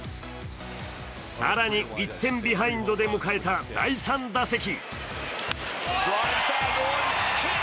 更に１点ビハインドで迎えた第３打席。